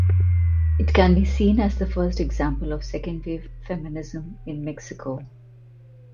It can be seen as the first example of second wave feminism in Mexico.